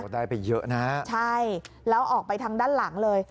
ได้ไปเยอะนะฮะใช่แล้วออกไปทางด้านหลังเลย